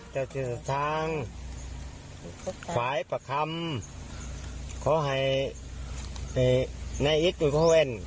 เจ้าชื่อสัตว์ทางฝ่ายประคำเค้าให้นายอิทธิ์กุญกับเว้น